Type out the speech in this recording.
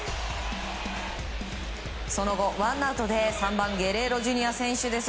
その後、ワンアウトで３番、ゲレーロＪｒ．選手です。